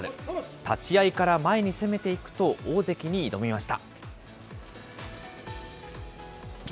立ち合いから前に攻めていくと、大関に挑みました。